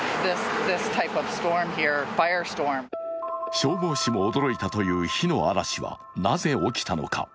消防士も驚いたという火の嵐はなぜ起きたのか。